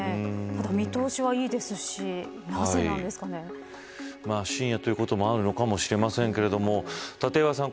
ただ見通しはいいですし深夜ということもあるのかもしれませんけれども立岩さん